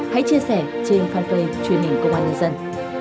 hãy chia sẻ trên fanpage truyền hình công an nhân dân